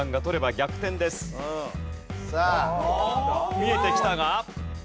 見えてきたが。